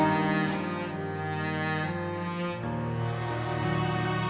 ibu mau berubah